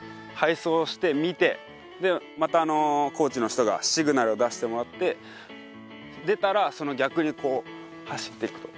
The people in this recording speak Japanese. またコーチの人がシグナルを出してもらって出たらその逆に走っていくと。